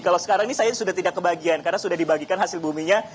kalau sekarang ini saya sudah tidak kebagian karena sudah dibagikan hasil buminya